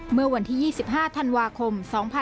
เมื่อวันที่๒๕ธันวาคม๒๕๖๒